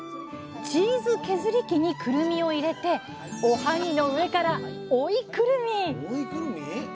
チーズ削り器にくるみを入れておはぎの上から「追いくるみ」！